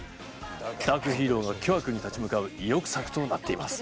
ダークヒーローが巨悪に立ち向かう意欲作となっています。